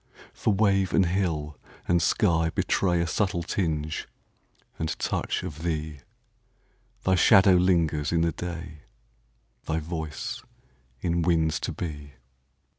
For wave and hill and sky betrayA subtle tinge and touch of thee; Thy shadow lingers in the day, Thy voice in winds to be.